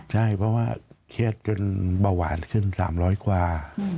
ใช่เพราะว่าเครียดจนเบาหวานขึ้น๓๐๐กว่า